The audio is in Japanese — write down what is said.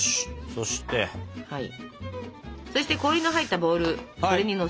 そして氷の入ったボウルそれにのせて冷やします。